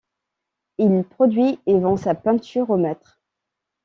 Il produit et vend sa peinture au mètre.